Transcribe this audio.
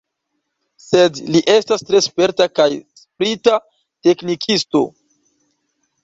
Sed li estas tre sperta kaj sprita teknikisto.